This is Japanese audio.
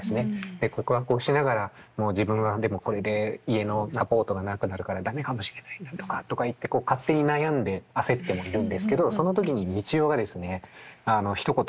で告白をしながら「もう自分はでもこれで家のサポートがなくなるから駄目かもしれないんだ」とか言って勝手に悩んで焦ってもいるんですけどその時に三千代がですねひと言言うんです。